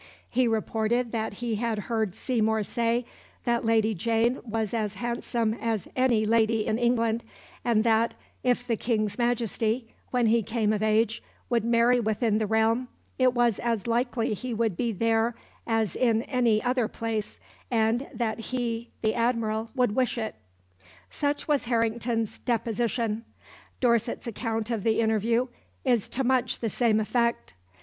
He reported that he had heard Seymour say "that Lady Jane was as handsome as any lady in England, and that, if the King's Majesty, when he came of age, would marry within the realm, it was as likely he would be there as in any other place, and that he [the Admiral] would wish it." Such was Harrington's deposition. Dorset's account of the interview is to much the same effect.